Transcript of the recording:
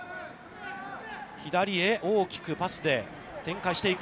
左へ大きくパスで展開していく。